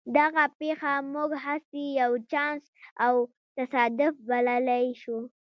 دغه پېښه موږ هسې یو چانس او تصادف بللای شو